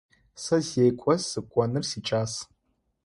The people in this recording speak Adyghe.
Сэ зекӏо сыкӏоныр сикӏас.